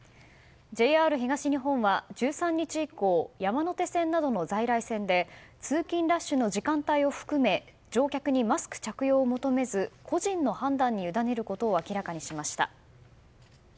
ＪＲ東日本は１３日以降山手線などの在来線で通勤ラッシュの時間帯を含め乗客にマスク着用を求めず個人の判断にゆだねることを明らかにしました。